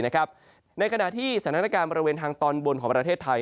ในขณะที่สถานการณ์บริเวณทางตอนบนของประเทศไทย